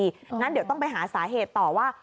งั้นเดี๋ยวต้องไปหาสาเหตุต่อว่า